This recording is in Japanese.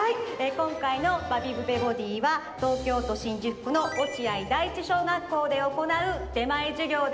こんかいの「バビブベボディ」は東京都新宿区の落合第一小学校でおこなう出前授業です。